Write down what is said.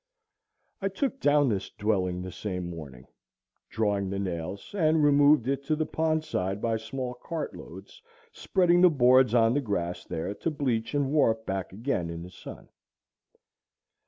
I took down this dwelling the same morning, drawing the nails, and removed it to the pond side by small cartloads, spreading the boards on the grass there to bleach and warp back again in the sun.